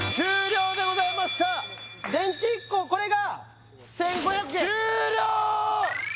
電池１個これが１５００円終了！